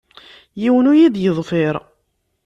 Yiwen ur yi-d-yeḍfir.